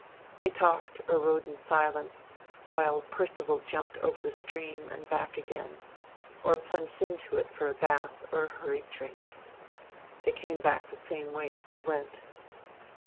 They talked or rode in silence, while Percival jumped over the stream and back again, or plunged into it for a bath or a hurried drink. They came back the same way as they went.